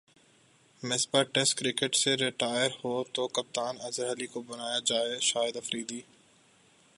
Misbah test cricket سے retire ہو تو کپتان اظہر علی کو بنایا جائےشاہد افریدی